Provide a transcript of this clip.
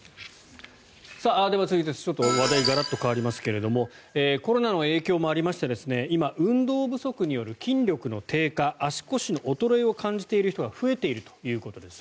では、続いて話題がガラッと変わりますがコロナの影響もありまして今、運動不足による筋力の低下、足腰の衰えを感じている人が増えているといいます。